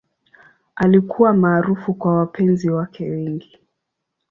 Alikuwa maarufu kwa wapenzi wake wengi.